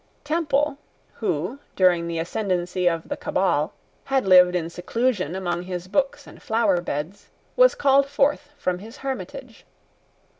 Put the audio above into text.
Temple, who, during the ascendency of the Cabal, had lived in seclusion among his books and flower beds, was called forth from his hermitage.